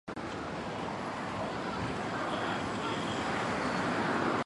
他是都灵及都灵部族领袖的继承人。